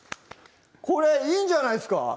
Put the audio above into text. これいいんじゃないっすか？